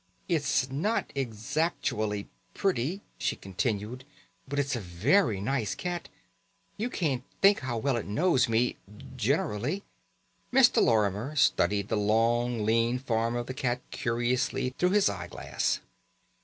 "It's not exactually pretty," she continued, "but it's a very nice cat. You can't think how well it knows me generally." Mr. Lorimer studied the long lean form of the cat curiously through his eye glass.